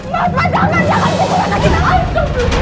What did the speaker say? mas mas mas jangan jangan ikut mata kita mas